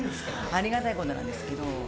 ありがたいことなんですけど。